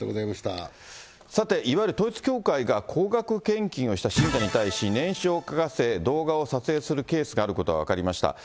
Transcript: さて、いわゆる統一教会が高額献金をした信者に対し、念書を書かせ、動画を撮影するケースがあることが分かりました。